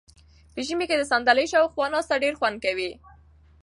په ژمي کې د صندلۍ شاوخوا ناسته ډېر خوند ورکوي.